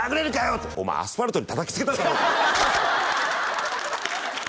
って「お前アスファルトに叩きつけただろ！」